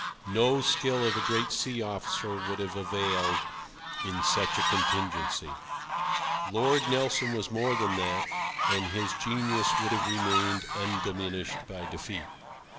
No skill of a great sea officer would have availed in such a contingency. Lord Nelson was more than that, and his genius would have remained undiminished by defeat.